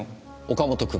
岡本君？